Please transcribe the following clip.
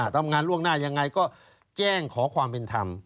ทำงานล่วงหน้ายังไงก็แจ้งขอความเป็นธรรม